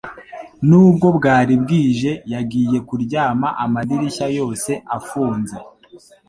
Nubwo bwari bwije yagiye kuryama amadirishya yose afunze